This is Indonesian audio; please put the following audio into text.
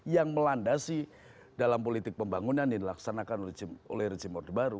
yang melandasi dalam politik pembangunan yang dilaksanakan oleh rejim orde baru